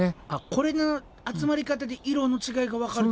これの集まり方で色の違いがわかるってこと？